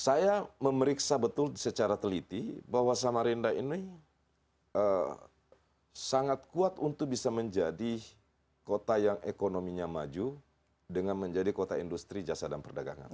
saya memeriksa betul secara teliti bahwa samarinda ini sangat kuat untuk bisa menjadi kota yang ekonominya maju dengan menjadi kota industri jasa dan perdagangan